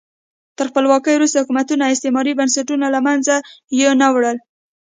تر خپلواکۍ وروسته حکومتونو استعماري بنسټونه له منځه یو نه وړل.